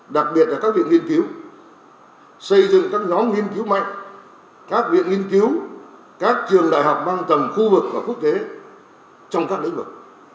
đặc biệt là các viện nghiên cứu xây dựng các nhóm nghiên cứu mạnh các viện nghiên cứu các trường đại học mang tầm khu vực và quốc tế trong các lĩnh vực